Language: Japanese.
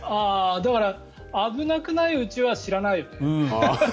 だから、危なくないうちは知らない。